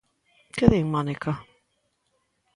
Que din, Mónica?